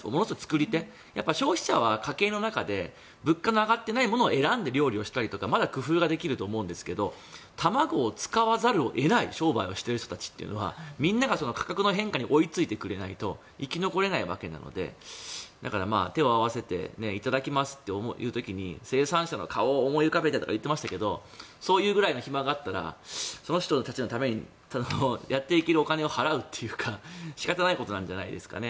消費者は家計の中で物価の上がっていないものを選んで料理したりとかまだ工夫ができると思うんですが卵を使わざるを得ない商売をしている人たちはみんなが価格の変化に追いついてくれないと生き残れないわけなので手を合わせていただきますと言う時に生産者の顔を思い浮かべてとか言っていましたけどそういうぐらいの暇があったらその人たちのためにやっていけるお金を払うというか仕方ないことなんじゃないですかね。